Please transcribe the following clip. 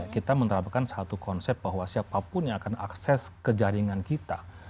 kita menerapkan satu konsep bahwa siapapun yang akan akses ke jaringan kita